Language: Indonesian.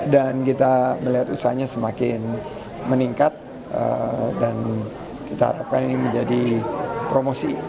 kita melihat usahanya semakin meningkat dan kita harapkan ini menjadi promosi